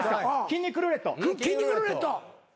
筋肉ルーレット！